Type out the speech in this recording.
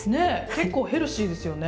結構ヘルシーですよね。